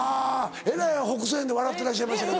えらいほくそ笑んで笑ってらっしゃいましたけど。